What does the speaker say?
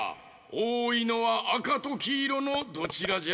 おおいのはあかときいろのどちらじゃ？